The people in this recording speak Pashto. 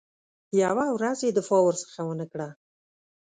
یوه ورځ یې دفاع ورڅخه ونه کړه.